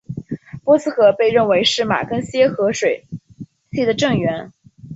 皮斯河被认为是马更些河水系的正源。